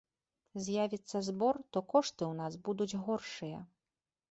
З'явіцца збор, то кошты ў нас будуць горшыя.